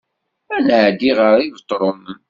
Ad nɛeddi ɣer Ibetṛunen.